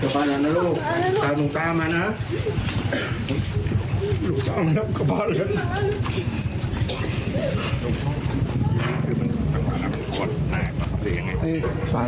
มันตกตรงที่จุดไหนครับ